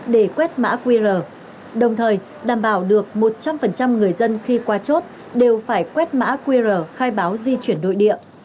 để quét mã qr đồng thời đảm bảo được một trăm linh người dân khi qua chốt đều phải quét mã qr khai báo di chuyển nội địa